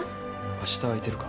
明日空いてるか？